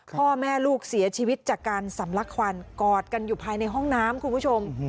พ่อแม่ลูกเสียชีวิตจากการสำลักควันกอดกันอยู่ภายในห้องน้ำคุณผู้ชม